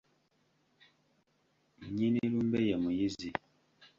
Nnyini lumbe ye muyizi.